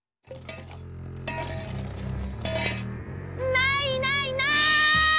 ないないない！